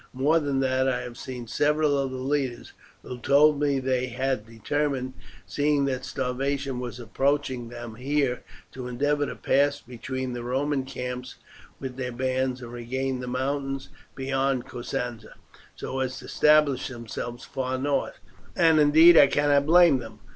More than that, I have seen several of the leaders, who told me they had determined, seeing that starvation was approaching them here, to endeavour to pass between the Roman camps with their bands, and regain the mountains beyond Cosenza, so as to establish themselves far north; and indeed I cannot blame them.